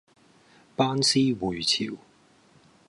班師回朝